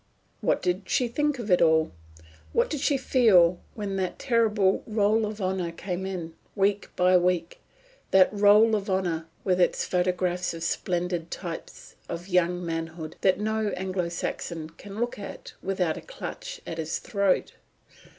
What did she think of it all? What did she feel when that terrible Roll of Honour came in, week by week, that Roll of Honour with its photographs of splendid types of young manhood that no Anglo Saxon can look at without a clutch at his throat?